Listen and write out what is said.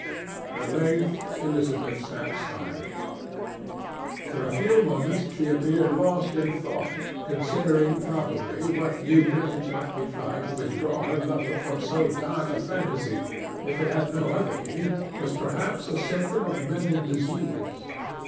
At length Elizabeth sat silent. For a few moments she appeared lost in thought, considering, probably, what new methods might be tried to withdraw her lover from so dark a fantasy, which, if it had no other meaning, was perhaps a symptom of mental disease.